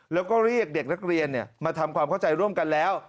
แล้วก็เรียกเด็กนักเรียนมาทำความเข้าใจร่วมกันแล้ว